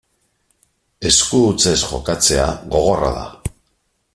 Esku hutsez jokatzea gogorra da.